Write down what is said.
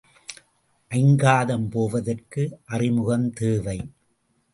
ஐங்காதம் போவதற்கு அறிமுகம் தேவை.